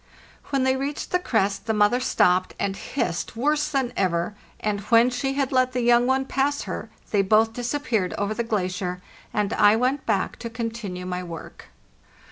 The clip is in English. When they reached the crest the moth er stopped and hissed worse than ever, and when she had let the young one pass her, they both disappeared over the glacier, and I went back to continue my work.